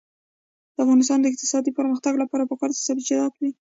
د افغانستان د اقتصادي پرمختګ لپاره پکار ده چې سبزیجات وي.